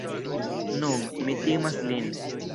Nun, mi timas lin.